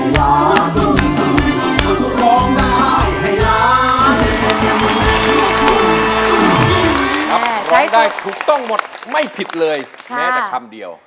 ครับร้องได้ถูกต้องหมดไม่ผิดเลยแม้แต่คำเดียวครับ